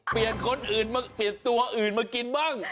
เปลี่ยนตัวอื่นมากินบ้าง